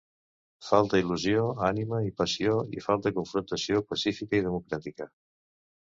Falta il·lusió, ànima i passió i falta confrontació, pacífica i democràtica.